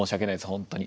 本当に。